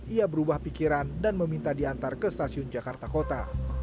ia berubah pikiran dan meminta diantar ke stasiun jakarta kota